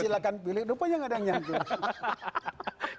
silahkan pilih rupanya enggak ada yang nyangkut